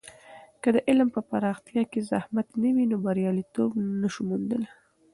که د علم په پراختیا کې زحمت نه وي، نو بریالیتوب نسو موندلی.